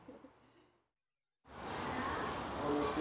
こんにちは。